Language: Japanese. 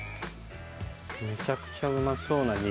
めちゃくちゃうまそうな肉。